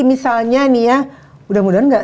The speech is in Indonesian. misalnya nih ya mudah mudahan enggak